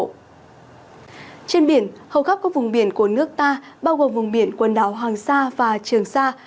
trên biển hầu khắp các vùng biển của nước ta bao gồm vùng biển quần đảo hoàng sa và trường sa